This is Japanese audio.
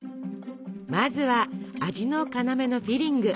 まずは味の要のフィリング。